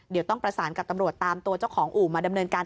เดี๋ยวต้องประสานกับตำรวจตามตัวเจ้าของอู่มาดำเนินการ